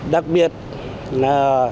đặc biệt là